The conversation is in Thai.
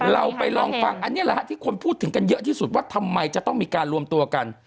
เราไปลองฟังอันนี้แหละฮะที่คนพูดถึงกันเยอะที่สุดว่าทำไมจะต้องมีการรวมตัวกัน